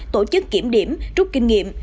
tổ chức kiểm điểm rút kinh nghiệm